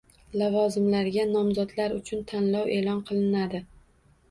Lavozimlarga nomzodlar uchun tanlov e'lon qilinadi